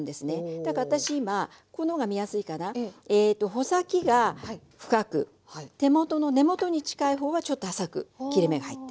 穂先が深く手元の根元に近いほうがちょっと浅く切れ目が入ってます。